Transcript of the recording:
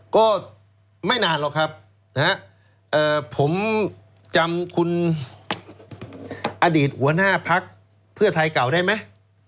ก็ไม่นานหรอกครับผมจำคุณอดีตหัวหน้าพักเพื่อไทยเก่าได้ไหม